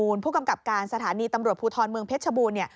ผู้กำกับการสถานีตำรวจภูทรเมืองเพชรชบูรณ์